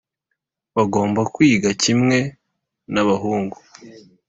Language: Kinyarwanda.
bagomba kwiga kimwe n’abahungu,